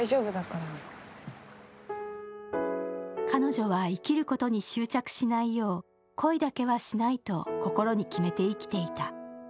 彼女は生きることに執着しないよう恋だけはしないと心に決めて生きていた。